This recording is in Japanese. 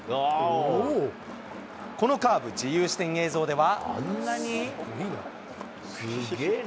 このカーブ、自由視点映像では。